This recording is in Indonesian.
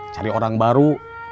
cari orang baru